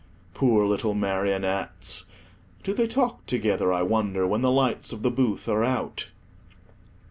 Poor little marionettes! do they talk together, I wonder, when the lights of the booth are out?